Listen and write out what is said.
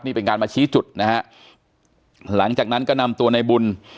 นี่เป็นการมาชี้จุดนะฮะหลังจากนั้นก็นำตัวในบุญ